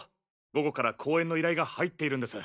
午後から講演の依頼が入っているんです。